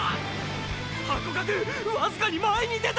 ハコガクわずかに前に出た！！